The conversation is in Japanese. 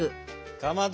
かまど！